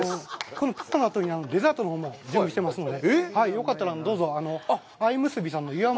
このあとに、デザートのほうも準備してますので。